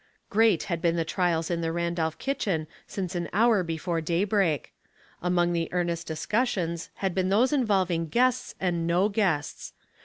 Great had been the trials in the Randolph kitchen since an hour before daybreak. Among the earnest dis cussions had been those involving guests and no guests.